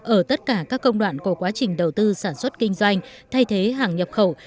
ở tất cả các công đoạn của quá trình đầu tư sản xuất kinh doanh thay thế hàng nhập khẩu